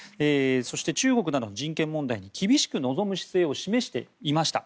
そして、中国などの人権問題に厳しく臨む姿勢を示していました。